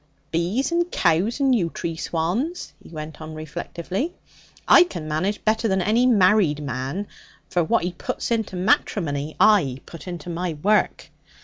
Bees and cows and yew tree swans,' he went on reflectively, 'I can manage better than any married man. For what he puts into matrimony I put into my work.